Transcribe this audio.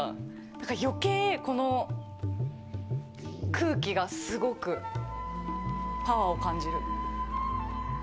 だから、余計、この空気がすごくパワーを感じる。